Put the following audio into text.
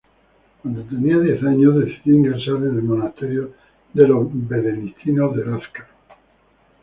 Cuando tenía diez años, decidió ingresar en el monasterio de los Benedictinos de Lazcano.